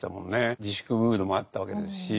自粛ムードもあったわけですし。